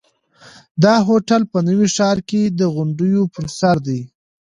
دا هوټل په نوي ښار کې د غونډیو پر سر دی.